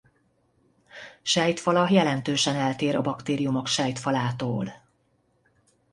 Sejtfala jelentősen eltér a baktériumok sejtfalától.